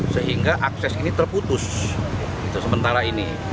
sehingga akses ini terputus sementara ini